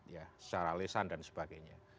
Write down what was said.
secara alesan dan sebagainya